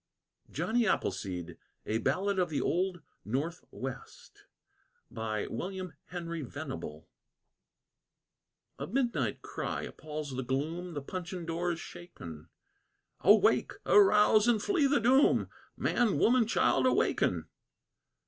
JOHNNY APPLESEED A BALLAD OF THE OLD NORTHWEST A midnight cry appalls the gloom, The puncheon door is shaken: "Awake! arouse! and flee the doom! Man, woman, child, awaken!